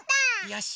よし！